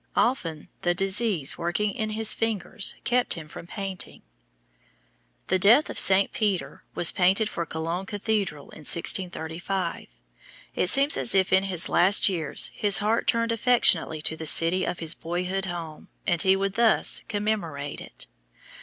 Often the disease, working in his fingers, kept him from painting. "The Death of St. Peter" was painted for Cologne Cathedral in 1635. It seems as if in his last years his heart turned affectionately to the city of his boyhood home and he would thus commemorate it.